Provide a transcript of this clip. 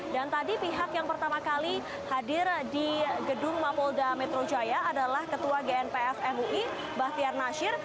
dan tadi pihak yang pertama kali hadir di gedung mapolda metro jaya adalah ketua gnpf mui bahtiar nasir